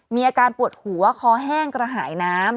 มีอาการปวดหัวคอแห้งกระหายน้ำ